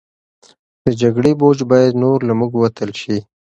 د جګړې بوج باید نور له موږ وتل شي.